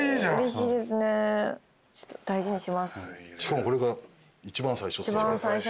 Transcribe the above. しかもこれが一番最初。